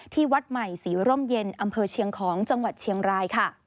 วัดใหม่ศรีร่มเย็นอำเภอเชียงของจังหวัดเชียงรายค่ะ